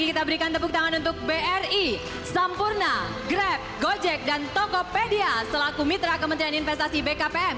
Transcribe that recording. kita berikan tepuk tangan untuk bri sampurna grab gojek dan tokopedia selaku mitra kementerian investasi bkpm